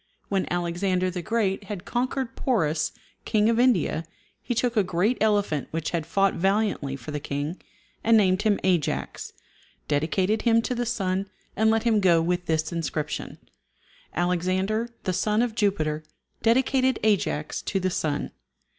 When Alexander the Great had conquered Porus, King of India, he took a great elephant which had fought valiantly for the king, and named him Ajax, dedicated him to the sun, and let him go with this inscription, "Alexander, the son of Jupiter, dedicated Ajax to the sun."